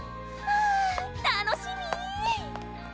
あたのしみ！